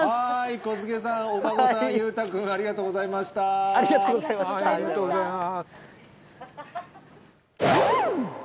小菅さん、お孫さん、裕太君、ありがとうございます。